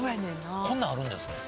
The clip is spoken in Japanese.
こんなんあるんですね